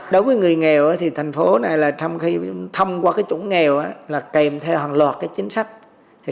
trong khi thăm qua chủng nghèo kèm theo hàng loạt chính sách